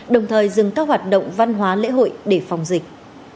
đồng thời dừng các hoạt động văn hóa lễ hội để phòng dịch